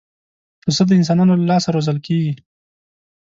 پسه د انسانانو له لاسه روزل کېږي.